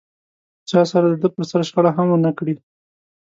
چا سره دده پر سر شخړه هم و نه کړي.